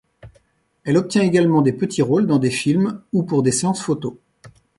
Elle obtient également des petits rôles dans des films ou pour des séances photos.